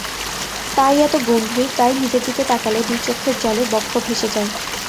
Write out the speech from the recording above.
তাই এত গম্ভীর, তাই নিজের দিকে তাকালে দুই চক্ষের জলে বক্ষ ভেসে যায়।